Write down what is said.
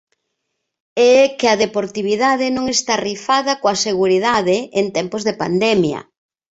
E é que a deportividade non está rifada coa seguridade en tempos de pandemia.